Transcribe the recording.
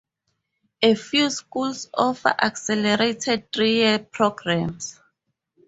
A few schools offer accelerated three-year programs.